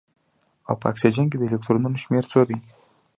او په اکسیجن کې د الکترونونو شمیر څو دی